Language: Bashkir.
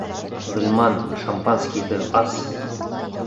Ғилман, шампанскийҙы ас.